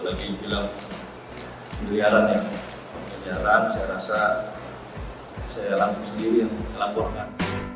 lagi bilang penyelidikannya penyelidikannya rasa saya langsung sendiri melakukan